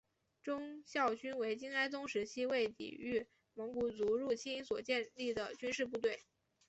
忠孝军为金哀宗时期为抵御蒙古族入侵所建立的军事部队。